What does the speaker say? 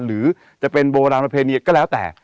หรือจะเป็นโบราณประเพณีก็แล้วแต่